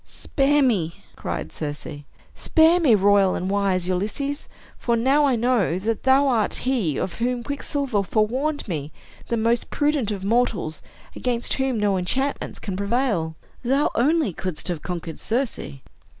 "Spare me!" cried Circe. "Spare me, royal and wise Ulysses. For now I know that thou art he of whom Quicksilver forewarned me, the most prudent of mortals, against whom no enchantments can prevail. Thou only couldst have conquered Circe.